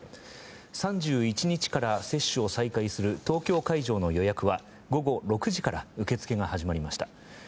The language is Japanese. ３１日から接種を再開する東京会場の予約は午後６時から受け付けが始まりました。